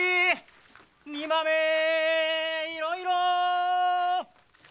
煮豆いろいろ！